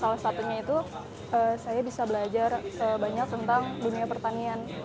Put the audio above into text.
salah satunya itu saya bisa belajar banyak tentang dunia pertanian